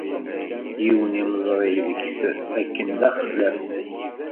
Yiwen imeẓri deg-s akken d axlaf.